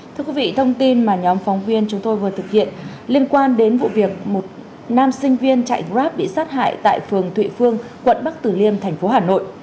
thưa quý vị thông tin mà nhóm phóng viên chúng tôi vừa thực hiện liên quan đến vụ việc một nam sinh viên chạy grab bị sát hại tại phường thụy phương quận bắc tử liêm thành phố hà nội